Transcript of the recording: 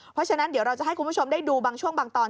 เพราะฉะนั้นเดี๋ยวเราจะให้คุณผู้ชมได้ดูบางช่วงบางตอน